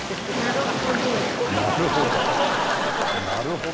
「“なるほど”？